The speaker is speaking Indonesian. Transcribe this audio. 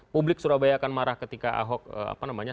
publik surabaya akan marah ketika ahok apa namanya